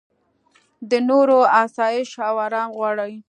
د نورو اسایش او ارام غواړې.